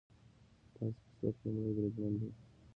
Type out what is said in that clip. په تاسو کې څوک لومړی بریدمن دی